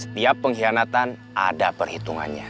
setiap pengkhianatan ada perhitungannya